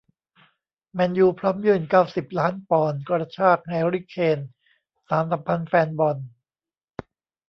แมนยู พร้อมยื่น เก้าสิบ ล้านปอนด์ กระชาก แฮร์รี่ เคน สานสัมพันธ์แฟนบอล